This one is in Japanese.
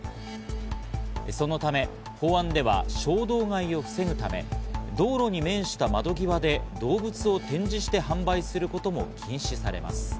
そのため法案では衝動買いを防ぐため、道路に面した窓際で動物を展示して販売することも禁止されます。